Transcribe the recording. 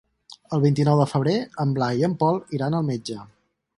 El vint-i-nou de febrer en Blai i en Pol iran al metge.